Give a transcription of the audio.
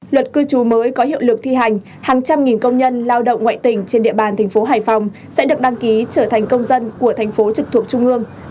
luật cư trú mới có hiệu lực thi hành hàng trăm nghìn công nhân lao động ngoại tỉnh trên địa bàn thành phố hải phòng sẽ được đăng ký trở thành công dân của thành phố trực thuộc trung ương